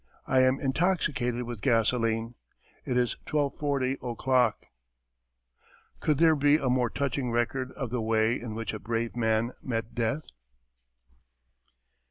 I am intoxicated with gasoline. It is 12.40 o'clock. Could there be a more touching record of the way in which a brave man met death?